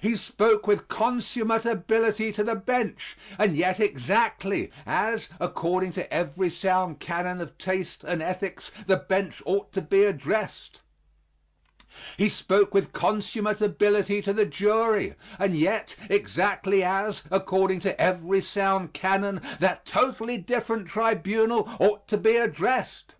He spoke with consummate ability to the bench, and yet exactly as, according to every sound canon of taste and ethics, the bench ought to be addressed. He spoke with consummate ability to the jury, and yet exactly as, according to every sound canon, that totally different tribunal ought to be addressed.